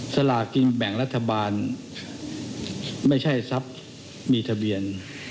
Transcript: สลากินแบ่งรัฐบาลไม่ใช่ทรัพย์มีทะเบียน